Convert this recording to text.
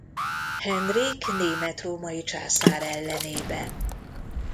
Henrik német-római császár ellenében.